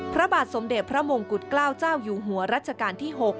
พระบาทสมเด็จพระมงกุฎเกล้าเจ้าอยู่หัวรัชกาลที่๖